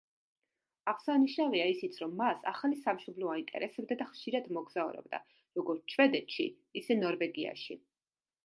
აღსანიშნავია ისიც, რომ მას ახალი სამშობლო აინტერესებდა და ხშირად მოგზაურობდა როგორც შვედეთში, ისე ნორვეგიაში.